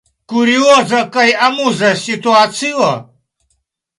Kurioza kaj amuza situacio?